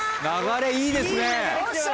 流れいいですね。